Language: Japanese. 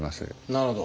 なるほど。